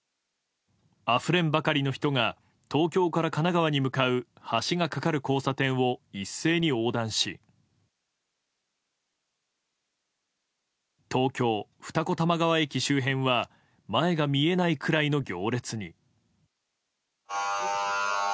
あふれんばかりの人が東京から神奈川に向かう橋が架かる交差点を一斉に横断し東京・二子玉川駅周辺は前が見えないくらいの行列に。